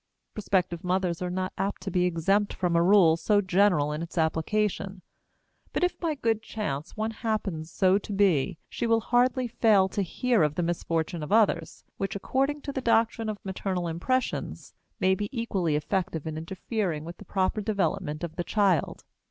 Prospective mothers are not apt to be exempt from a rule so general in its application, but if by good chance one happens so to be she will hardly fail to hear of the misfortune of others, which, according to the doctrine of maternal impressions, may be equally effective in interfering with the proper development of the child.